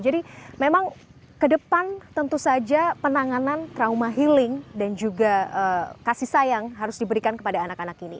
jadi memang ke depan tentu saja penanganan trauma healing dan juga kasih sayang harus diberikan kepada anak anak ini